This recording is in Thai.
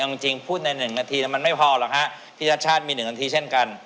เอาจริงพูดใน๑นาทีมันไม่พอหรอกฮะพี่ชัดชาติมี๑นาทีเช่นกัน